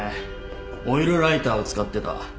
オイルライターを使ってた。